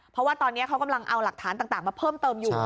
เพราะว่าตอนนี้เขากำลังเอาหลักฐานต่างมาเพิ่มเติมอยู่